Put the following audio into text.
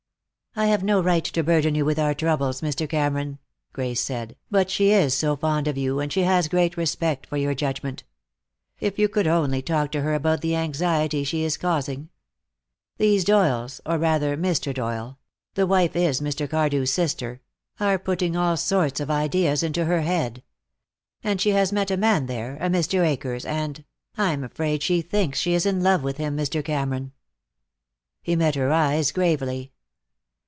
"I have no right to burden you with our troubles, Mr. Cameron," Grace said, "but she is so fond of you, and she has great respect for your judgment. If you could only talk to her about the anxiety she is causing. These Doyles, or rather Mr. Doyle the wife is Mr. Cardew's sister are putting all sorts of ideas into her head. And she has met a man there, a Mr. Akers, and I'm afraid she thinks she is in love with him, Mr. Cameron." He met her eyes gravely.